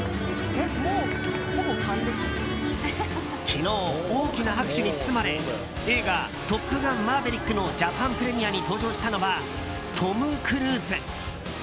昨日、大きな拍手に包まれ映画「トップガンマーヴェリック」のジャパンプレミアに登場したのはトム・クルーズ。